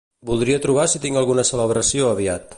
Voldria trobar si tinc alguna celebració aviat.